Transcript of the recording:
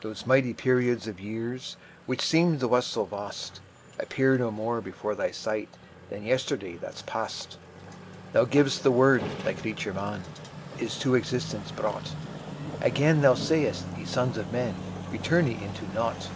Those mighty periods of yearsWhich seem to us so vast, Appear no more before Thy sightThan yesterday that's past. Thou giv'st the word: Thy creature, man, Is to existence brought; Again Thou say'st, "Ye sons of men, Return ye into nought!"